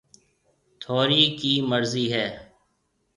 ٿونرِي ڪِي مرضِي هيَ۔